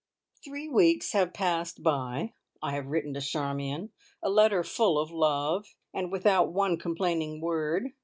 Three weeks have passed by. I have written to Charmion, a letter full of love, and without one complaining word.